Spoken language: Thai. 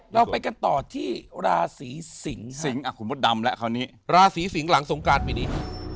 เราไปกันต่อที่ราศรีสิงหลังสงการปีนี้